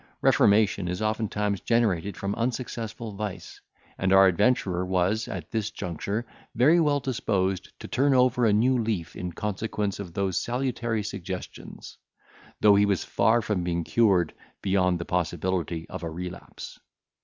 Reformation is oftentimes generated from unsuccessful vice; and our adventurer was, at this juncture, very well disposed to turn over a new leaf in consequence of those salutary suggestions; though he was far from being cured beyond the possibility of a relapse.